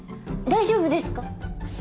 大丈夫ですか？